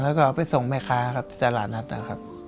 แล้วก็ไปส่งใหม่ค้าครับ